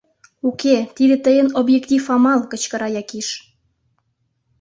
— Уке, тиде тыйын «объектив амал», — кычкыра Якиш.